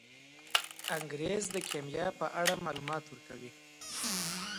انګریز د کیمیا په اړه معلومات ورکوي.